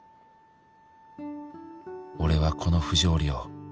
「俺はこの不条理を」